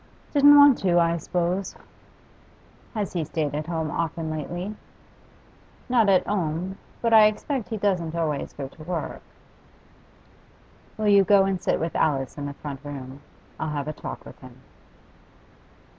'Didn't want to, I s'pose.' 'Has he stayed at home often lately?' 'Not at 'ome, but I expect he doesn't always go to work.' 'Will you go and sit with Alice in the front room? I'll have a talk with him.